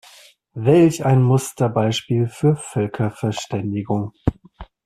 Welch ein Musterbeispiel für Völkerverständigung!